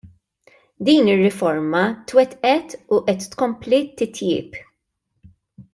Din ir-riforma twettqet u qed tkompli titjieb.